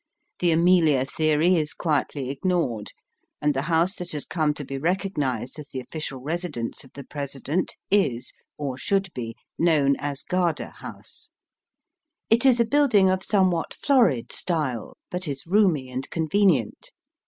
The Amelia theory is quietly ignored, and the house that has come to be recognized as the official residence of the President is, or should be, known as Garda House. It is a building of somewhat florid style, but is roomy and convenient.